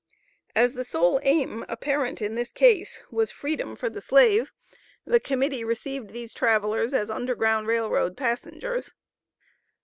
As the sole aim apparent in this case was freedom for the slave the Committee received these travellers as Underground Rail Road passengers.